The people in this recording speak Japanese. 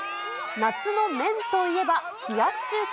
夏の麺といえば冷やし中華？